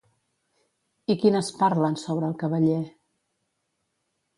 I quines parlen sobre el cavaller?